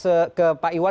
saya ke pak iwan